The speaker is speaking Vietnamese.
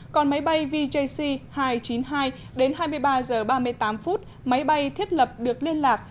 còn máy bay vjc hai trăm chín mươi hai đến hai mươi ba h ba mươi tám phút máy bay thiết lập được liên lạc